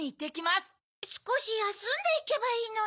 すこしやすんでいけばいいのに。